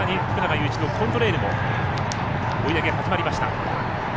さらに福永祐一のコントレイルも追い上げ、始まりました。